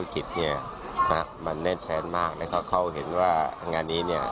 เขาเห็นว่างานนี้เนี่ย